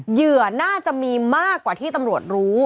เหยื่อน่าจะมีมากกว่าที่ตำรวจรู้